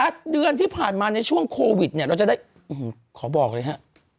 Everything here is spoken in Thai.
เดือนที่ผ่านมาในช่วงโควิดเนี่ยเราจะได้ขอบอกเลยฮะ